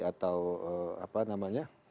atau apa namanya